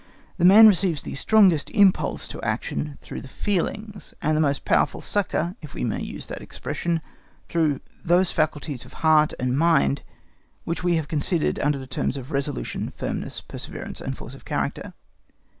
The man receives the strongest impulse to action through the feelings, and the most powerful succour, if we may use the expression, through those faculties of heart and mind which we have considered under the terms of resolution, firmness, perseverance, and force of character.